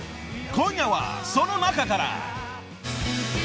［今夜はその中から］